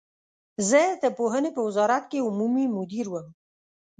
زه د پوهنې په وزارت کې عمومي مدیر وم.